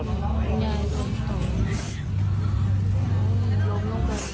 คุณยายล้มตัว